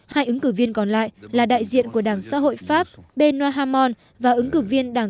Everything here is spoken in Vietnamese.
hai ứng cử viên còn lại là đại diện của đảng xã hội pháp benhamon và ứng cử viên đảng